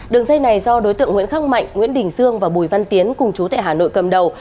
đường dây này do đối tượng nguyễn khắc mạnh nguyễn đình dương và bùi văn tiến cùng chú tại hà nội cầm đầu